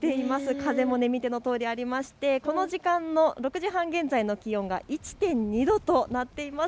風も見てのとおりありましてこの時間の６時半現在の気温が１．２度となっています。